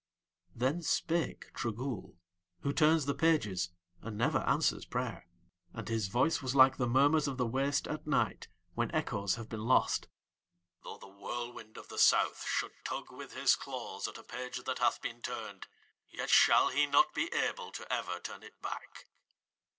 Then spake Trogool who turns the pages and never answers prayer, and his voice was like the murmurs of the waste at night when echoes have been lost: "Though the whirlwind of the South should tug with his claws at a page that hath been turned yet shall he not be able to ever turn it back."